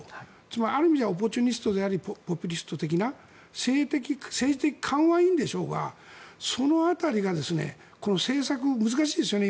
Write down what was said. つまり、ある意味じゃオポチュニストでありポピュリスト的な政治的勘はいいんでしょうけどその辺りが政策難しいですよね。